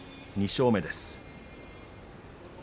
２勝目です。